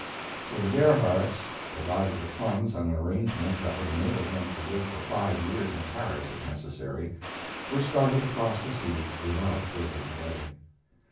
So the Gerhardts, provided with funds and an arrangement that would enable them to live for five years in Paris if necessary, were started across the sea without further delay.